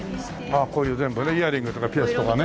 ああこういう全部ねイヤリングとかピアスとかね。